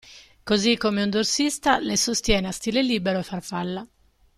Così come un dorsista le sostiene a stile libero e farfalla.